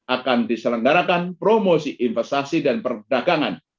akan diselenggarakan promosi investasi dan perdagangan